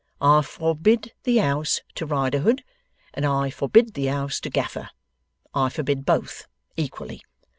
I forbid the house to Riderhood, and I forbid the house to Gaffer. I forbid both, equally.